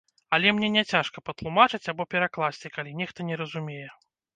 Але мне не цяжка патлумачыць або перакласці, калі нехта не разумее.